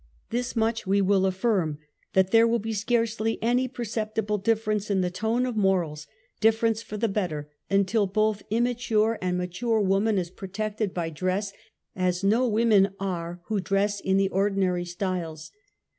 This much we will affirm, that there wall be scarcely any perceptible difterence in the tone of morals — difference for the better, until both im mature and mature woman is protected by dress, as 110 w^omen are who dress in the ordinary styles.